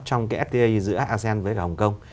trong sda giữa asean với hồng kông